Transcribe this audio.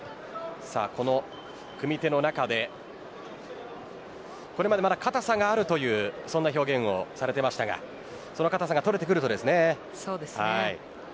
この組み手の中でこれまで硬さがあるという表現をされていましたがその硬さがとれてくると強さが出ます。